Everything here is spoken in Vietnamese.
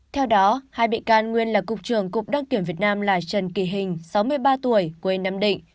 theo đó hai bị can nguyên là cục trưởng cục đăng kiểm việt nam là trần kỳ hình sáu mươi ba tuổi quê nam định